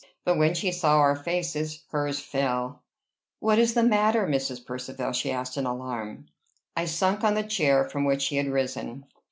But, when she saw our faces, hers fell. "What is the matter, Mrs. Percivale?" she asked in alarm. I sunk on the chair from which she had risen.